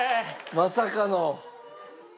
まさかの。